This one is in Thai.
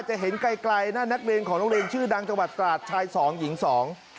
จะเห็นไกลไกลนะนักเรียนของโรงเรียนชื่อดังจังหวัดตราดชายสองหญิงสอง